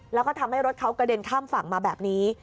แล้วก็ทำให้รถเขากระเด็นข้ามฝั่งมาแบบนี้